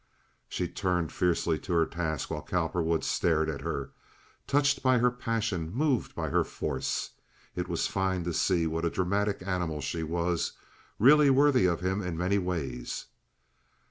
She turned fiercely to her task while Cowperwood stared at her, touched by her passion, moved by her force. It was fine to see what a dramatic animal she was—really worthy of him in many ways.